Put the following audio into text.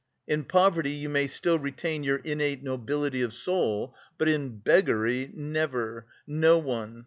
In poverty you may still retain your innate nobility of soul, but in beggary never no one.